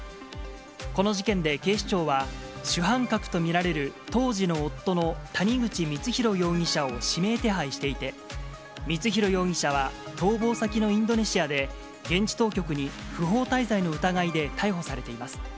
この事件で警視庁は、主犯格と見られる当時の夫の谷口光弘容疑者を指名手配していて、光弘容疑者は逃亡先のインドネシアで、現地当局に不法滞在の疑いで逮捕されています。